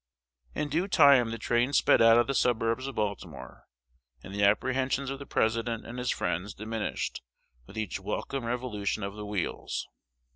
In due time the train sped out of the suburbs of Baltimore; and the apprehensions of the President and his friends diminished with each welcome revolution of the wheels.